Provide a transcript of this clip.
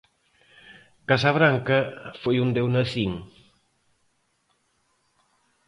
Casabranca foi onde eu nacín.